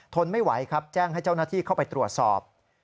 ทนไม่ไหวครับแจ้งให้เจ้าหน้าที่เข้าไปตรวจสอบ